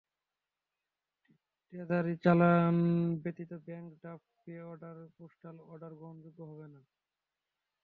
Treasury চালান ব্যতীত bank draft, pay order, postal order গ্রহণযোগ্য হবে না।